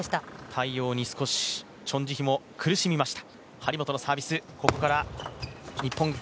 対応に少し、チョン・ジヒも苦しみました。